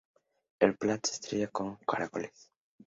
El plato estrella son los caracoles.